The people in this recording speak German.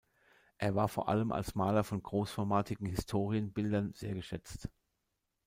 Er war vor allem als Maler von großformatigen Historienbildern sehr geschätzt.